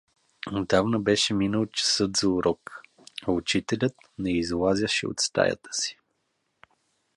Отдавна беше минал часът за урок, а учителят не излазяше от стаята си.